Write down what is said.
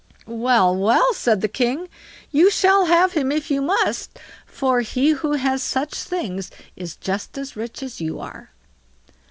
"Well, well!" said the king, "you shall have him if you must; for he who has such things is just as rich as you are."